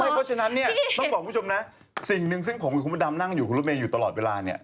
เพราะฉะนั้นเนี่ยต้องบอกคุณผู้ชมนะสิ่งหนึ่งซึ่งผมกับคุณพระดำนั่งอยู่คุณรถเมย์อยู่ตลอดเวลาเนี่ย